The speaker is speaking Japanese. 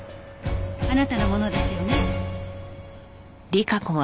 あなたのものですよね？